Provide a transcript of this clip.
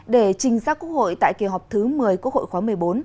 để trình ra quốc hội tại kỳ họp thứ một mươi quốc hội khóa một mươi bốn